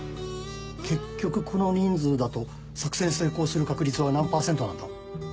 結局この人数だと作戦成功する確率は何％なんだ？